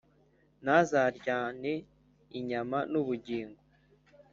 Ntuzaryane inyama n ‘ubugingo